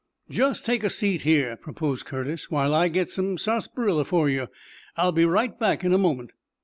"Just take a seat here," proposed Curtis, "while I get some sarsaparilla for you. I'll be right back in a moment."